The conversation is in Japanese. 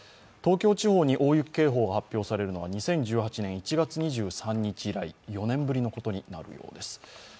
東京地方に大雪警報が発表されるのは２０１８年の２月以来、４年ぶりのことになるようです。